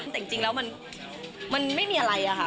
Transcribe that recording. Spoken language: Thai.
แต่จริงแล้วมันไม่มีอะไรอะค่ะ